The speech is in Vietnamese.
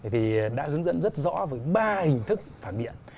thì đã hướng dẫn rất rõ với ba hình thức phản biện